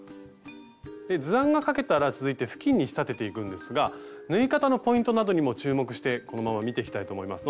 で図案が描けたら続いてふきんに仕立てていくんですが縫い方のポイントなどにも注目してこのまま見ていきたいと思います。